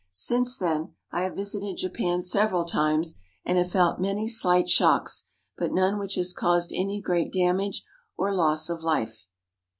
Since then I have visited Japan several times, and have felt many slight shocks, but none which has caused any great damage or loss of life.